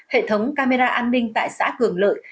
hệ thống camera an ninh tại xã cường lợi